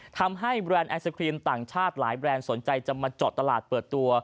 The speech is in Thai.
แบรนด์ไอศครีมต่างชาติหลายแบรนด์สนใจจะมาเจาะตลาดเปิดตัว